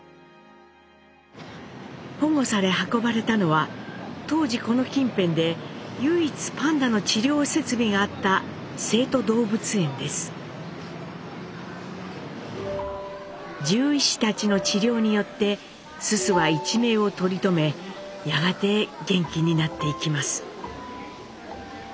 保護され運ばれたのは当時この近辺で唯一パンダの治療設備があった獣医師たちの治療によって蘇蘇は一命を取り留めやがて元気になっていきます。